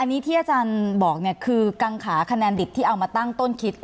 อันนี้ที่อาจารย์บอกเนี่ยคือกังขาคะแนนดิบที่เอามาตั้งต้นคิด